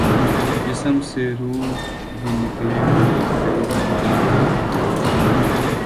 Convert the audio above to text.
جسم سے روح بھی نکلےہوئے کئی زمانے گزر گے ہیں